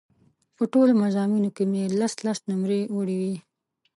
په ټولو مضامینو کې مې لس لس نومرې وړې وې.